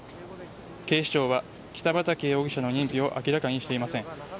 警視庁は北畠容疑者の認否を明らかにしていません。